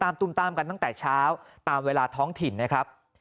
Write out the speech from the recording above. ตุ้มตามกันตั้งแต่เช้าตามเวลาท้องถิ่นนะครับ